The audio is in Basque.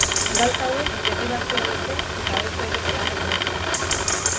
Galtza hauek gerri baxua dute eta oso erosoak omen dira.